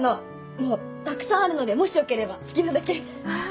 たくさんあるのでもしよければ好きなだけ。